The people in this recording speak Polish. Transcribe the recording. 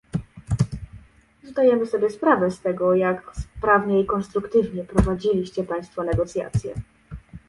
Zdajemy sobie sprawę z tego, jak sprawnie i konstruktywnie prowadziliście państwo negocjacje